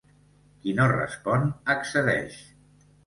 Qui no respon, accedeix.